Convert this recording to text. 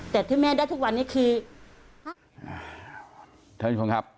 แต่ที่แม่ได้ทุกวันนี้คือท่านผู้ชมครับ